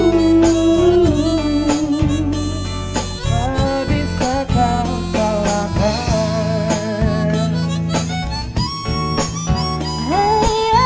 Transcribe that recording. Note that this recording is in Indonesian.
tak bisa kau salahkan